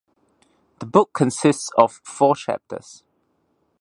The book consists of four chapters.